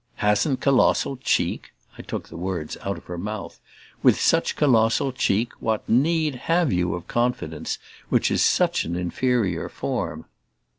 "Hasn't colossal cheek?" I took the words out of her mouth. "With such colossal cheek what NEED have you of confidence, which is such an inferior form